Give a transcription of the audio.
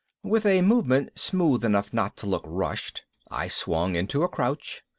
With a movement smooth enough not to look rushed I swung into a crouch.